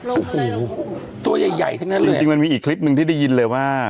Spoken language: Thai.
โอ้โหตัวใหญ่ทั้งนั้นเลยจริงมันมีอีกคลิปหนึ่งที่ได้ยินเลยว่า